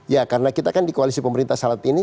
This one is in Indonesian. ya karena kita kan di koalisi pemerintah saat ini